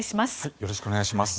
よろしくお願いします。